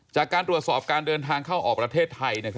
จากการตรวจสอบการเดินทางเข้าออกประเทศไทย